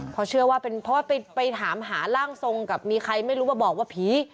เพราะไปถามหาร่างทรงมีใครไม่รู้ว่าบอกปี